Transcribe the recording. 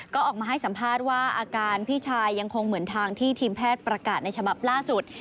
ก็ออกมาให้สัมภาษณ์ว่าอาการพี่ชายยังคงเหมือนทางที่ทีมแพทย์ประกาศในฉบับล่าสุด